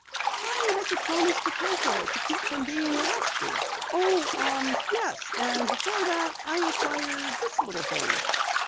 "I had to promise to pay for it to keep from being arrested. Oh, yes, and before that I acquired this little thing."